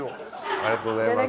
ありがとうございます。